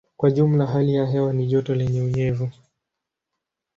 Kwa jumla hali ya hewa ni joto lenye unyevu.